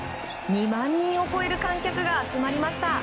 ２万人を超える観客が集まりました。